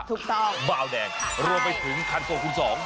ถูกต้องบ้าวแดงรวมไปถึงคันส่งคุณสอง